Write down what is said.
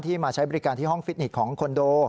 มาใช้บริการที่ห้องฟิตนิกของคอนโด